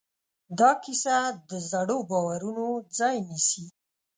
دا کیسه د زړو باورونو ځای نيسي.